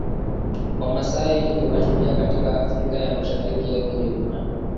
Wamasai ni mashujaa katika Afrika ya Mashariki ya Kijerumani